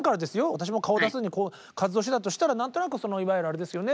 私も顔を出さずに活動してたとしたら何となくいわゆるあれですよね